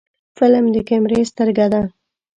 فلم د کیمرې سترګه ده